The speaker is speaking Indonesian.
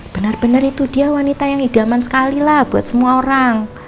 benar benar itu dia wanita yang idaman sekali lah buat semua orang